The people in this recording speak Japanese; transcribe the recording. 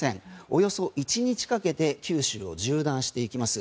およそ１日かけて九州を縦断していきます。